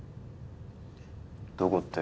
どこって。